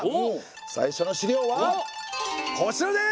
最初の資料はこちらです！